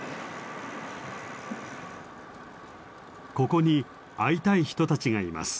ここに会いたい人たちがいます。